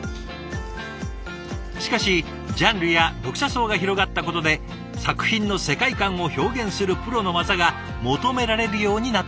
しかしジャンルや読者層が広がったことで作品の世界観を表現するプロの技が求められるようになったそう。